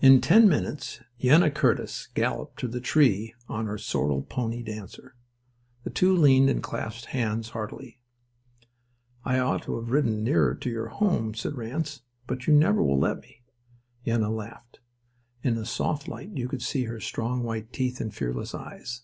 In ten minutes Yenna Curtis galloped to the tree on her sorrel pony Dancer. The two leaned and clasped hands heartily. "I ought to have ridden nearer your home," said Ranse. "But you never will let me." Yenna laughed. And in the soft light you could see her strong white teeth and fearless eyes.